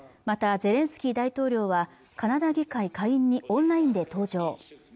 またゼレンスキー大統領はカナダ議会下院にオンラインで登場